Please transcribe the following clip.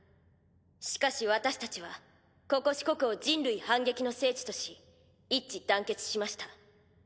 しかし私たちはここ四国を人類反撃の聖地とし一致団結しました。